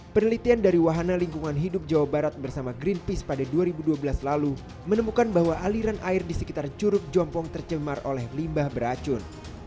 penelitian dari wahana lingkungan hidup jawa barat bersama greenpeace pada dua ribu dua belas lalu menemukan bahwa aliran air di sekitar curug jompong tercemar oleh limbah beracun